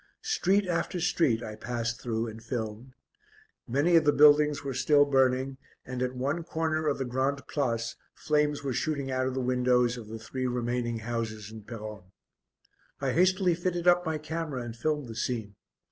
Street after street I passed through and filmed. Many of the buildings were still burning and at one corner of the Grande Place flames were shooting out of the windows of the three remaining houses in Peronne. I hastily fitted up my camera and filmed the scene.